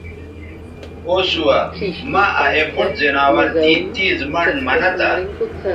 او سُوہ مہ آ اے بُوٹ زناور تیں تیز منڈ منہ تہ